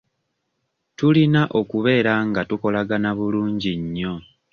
Tulina okubeera nga tukolagana bulungi nnyo.